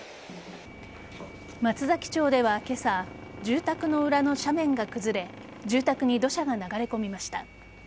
松崎町では今朝住宅の裏の斜面が崩れ住宅に土砂が流れ込みました。